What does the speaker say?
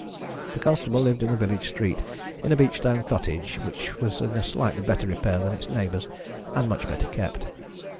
The constable lived in the village street in a beach stone cottage which was in slightly better repair than its neighbours, and much better kept.